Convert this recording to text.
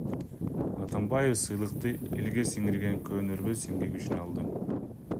Атамбаев сыйлыкты элге сиңирген көөнөрбөс эмгеги үчүн алды.